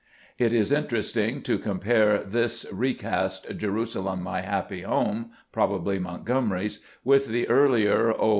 It is interesting to com pare this recast (" Jerusalem, my happy home," probably Montgomery's) with the earlier " O Introduction.